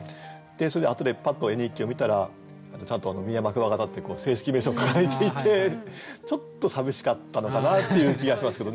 それであとでパッと絵日記を見たらちゃんと「ミヤマクワガタ」って正式名称書いていてちょっと寂しかったのかなっていう気がしますけどね。